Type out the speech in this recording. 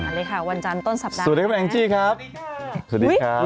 สวัสดีค่ะวันจานต้นสัปดาห์สวัสดีครับแองจี้ครับสวัสดีค่ะสวัสดีครับ